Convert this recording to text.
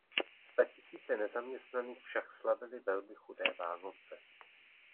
Statisíce nezaměstnaných však slavily velmi chudé Vánoce.